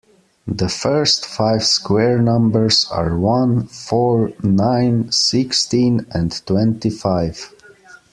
The first five square numbers are one, four, nine, sixteen and twenty-five